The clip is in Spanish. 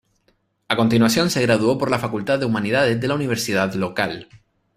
A continuación, se graduó por la facultad de humanidades de la universidad local.